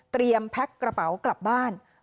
เตรียมแพ็กกระเป๋ากลับบ้าน